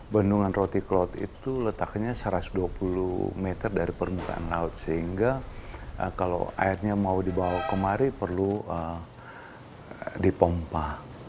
bendungan roti klot itu letaknya satu ratus dua puluh meter dari permukaan laut sehingga kalau airnya mau dibawa kemari perlu dipompa